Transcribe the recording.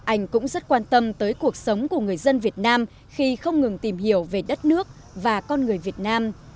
anh cũng rất quan tâm tới cuộc sống của người dân việt nam khi không ngừng tìm hiểu về đất nước và con người việt nam